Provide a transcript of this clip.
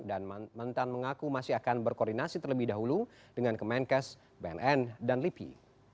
dan mentan mengaku masih akan berkoordinasi terlebih dahulu dengan kemenkes bnn dan lipi